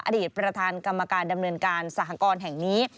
อดีตประธานกรรมการดำเนินการสหกรณ์แห่งนี้